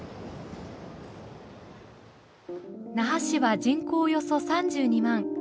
那覇市は、人口およそ３２万。